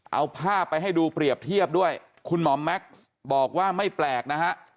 เอาภาพไปให้ดูเปรียบเทียบด้วยคุณหมอแม็กซ์บอกว่าไม่แปลกนะฮะ